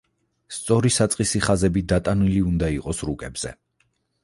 სწორი საწყისი ხაზები დატანილი უნდა იყოს რუკებზე.